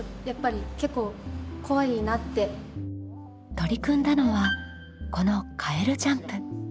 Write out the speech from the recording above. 取り組んだのはこのカエルジャンプ。